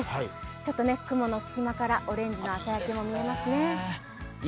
ちょっと雲の隙間からオレンジの朝焼けも見えますね。